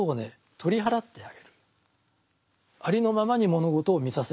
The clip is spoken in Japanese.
取り払ってあげる。